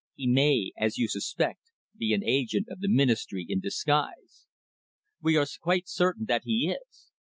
He may, as you suspect, be an agent of the Ministry in disguise." "We are quite certain that he is."